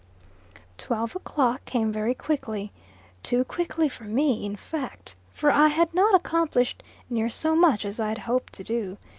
Twelve o'clock came very quickly too quickly for me, in fact; for I had not accomplished near so much as I had hoped to do.